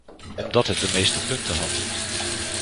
Omdat het de meeste punten had.